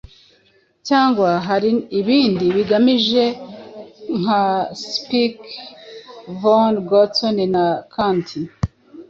cyangwa hari ibindi bagamije: nka Speke, von Gotzen na Kandt.